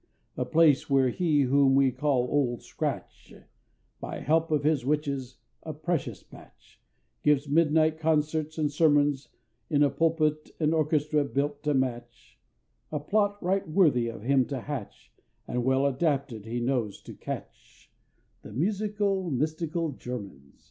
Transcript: A place where he whom we call Old Scratch, By help of his Witches a precious batch Gives midnight concerts and sermons, In a Pulpit and Orchestra built to match, A plot right worthy of him to hatch, And well adapted, he knows, to catch The musical, mystical Germans!